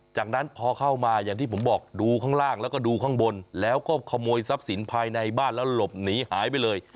จากนั้นพอเข้ามาอย่างที่ผมบอกดูข้างล่างแล้วก็ดูข้างบนแล้วก็ขโมยทรัพย์สินภายในบ้านแล้วหลบหนีหายไปเลย